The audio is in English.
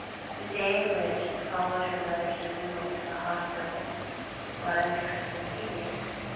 The day which followed her mother's removal to the hospital was Christmas Eve.